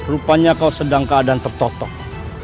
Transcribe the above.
rupanya kau sedang keadaan tertotok